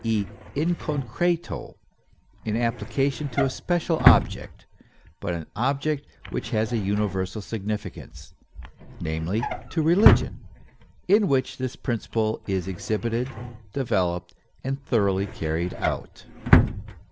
e., in concreto, in application to a special object, but an object which has a universal significance: namely, to religion, in which this principle is exhibited, developed and thoroughly carried out.